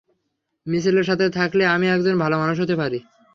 মিশেলের সাথে থাকলে আমি একজন ভালে মানুষ হতে পারি।